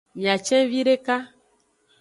Miacen videka.